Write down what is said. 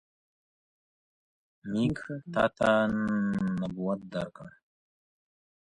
موږ تاته نبوت درکړ.